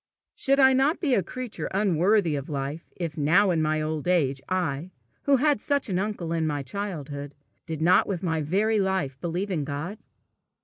Should I not be a creature unworthy of life, if, now in my old age, I, who had such an uncle in my childhood, did not with my very life believe in God?